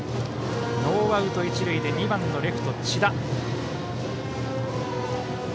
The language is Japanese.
ノーアウト一塁で２番のレフト、千田。